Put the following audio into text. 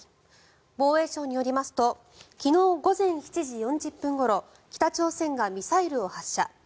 防衛省によりますと昨日午前７時４０分ごろ北朝鮮がミサイルを発射。